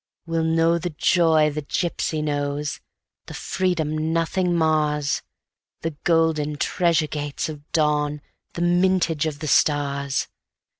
We'll know the joy the gipsy knows, the freedom nothing mars, The golden treasure gates of dawn, the mintage of the stars.